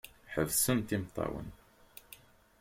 Ḥebsent imeṭṭawen.